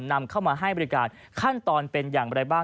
นำเข้ามาให้บริการขั้นตอนเป็นอย่างไรบ้าง